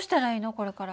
これから。